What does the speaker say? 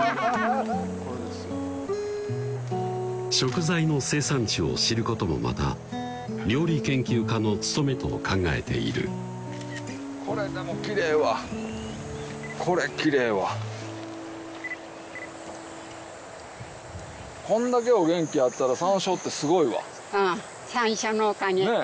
これですよ食材の生産地を知ることもまた料理研究家の務めと考えているこれでもきれいわこれきれいわこんだけお元気やったら山椒ってすごいわうん